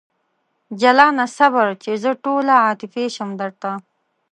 جلانه صبر! چې زه ټوله عاطفي شم درته